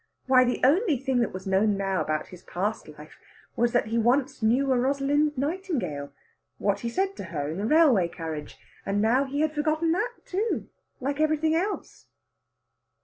Why, the only thing that was known now about his past life was that he once knew a Rosalind Nightingale what he said to her in the railway carriage. And now he had forgotten that, too, like everything else.